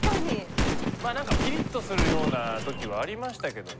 なんかピリッとするような時はありましたけどね。